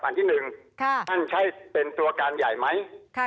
อันที่๑ท่านใช้เป็นตัวการใหญ่ไหม